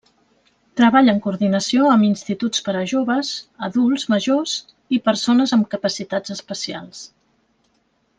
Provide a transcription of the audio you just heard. Treballa en coordinació amb instituts per a joves, adults majors i persones amb capacitats especials.